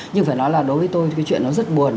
nhưng phải nói là đối với tôi thì cái chuyện nó rất buồn